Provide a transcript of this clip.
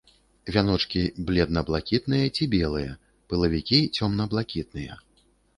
Вяночкі бледна-блакітныя ці белыя, пылавікі цёмна-блакітныя.